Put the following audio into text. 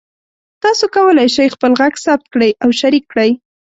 تاسو کولی شئ خپل غږ ثبت کړئ او شریک کړئ.